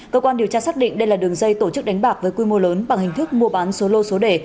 cơ quan điều tra xác định đây là đường dây tổ chức đánh bạc với quy mô lớn bằng hình thức mua bán số lô số đề